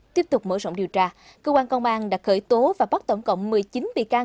tiếp tục mở rộng điều tra cơ quan công an đã khởi tố và bắt tổng cộng một mươi chín bị can